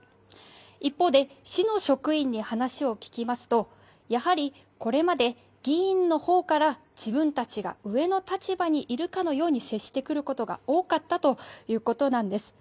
一方で市の職員に話を聞きますとやはりこれまで議員のほうから自分たちが上の立場にいるかのように接してくることが多かったということなんです。